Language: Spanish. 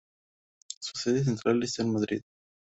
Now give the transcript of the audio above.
Su sede central está en Madrid.